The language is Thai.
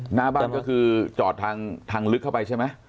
หน้าบ้านก็คือจอดทางลึกเข้าไปใช่ไหม